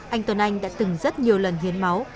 anh tuấn anh đã từng rất nhiều lần hiến máu